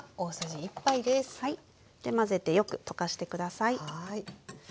で混ぜてよく溶かして下さい。